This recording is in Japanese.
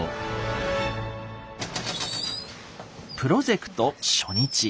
プロジェクト初日。